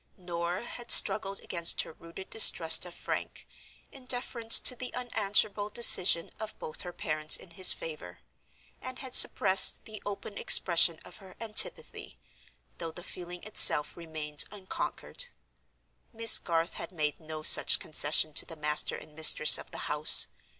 Norah had struggled against her rooted distrust of Frank, in deference to the unanswerable decision of both her parents in his favor; and had suppressed the open expression of her antipathy, though the feeling itself remained unconquered. Miss Garth had made no such concession to the master and mistress of the house.